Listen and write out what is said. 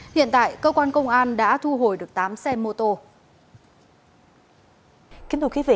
hiện tại cơ quan công an đã thu hồi được tám xe mô tô